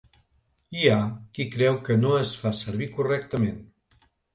Hi ha qui creu que no es fa servir correctament.